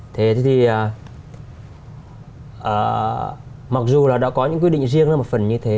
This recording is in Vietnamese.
thế thì mặc dù là đã có những quy định riêng lên một phần như thế